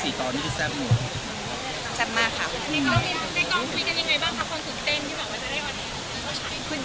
ในกองคุยกันยังไงบ้างคะคนสุขเต็มที่หวังว่าจะได้วันนี้